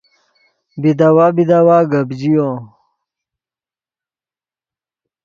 بیداوا بیداوا گپ ژیو